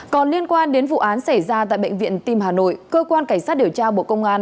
còn liên quan đến vụ án xảy ra tại bệnh viện tim hà nội cơ quan cảnh sát điều tra bộ công an